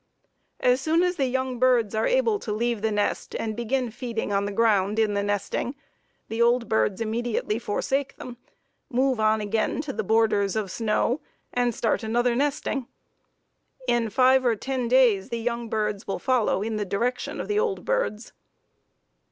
As soon as the young birds are able to leave the nest and begin feeding on the ground in the nesting, the old birds immediately forsake them, move again on to the borders of the snow and start another nesting. In five or ten days the young birds will follow in the direction of the old birds.